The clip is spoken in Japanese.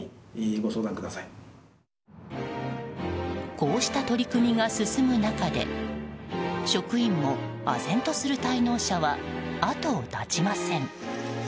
こうした取り組みが進む中で職員も唖然とする滞納者は後を絶ちません。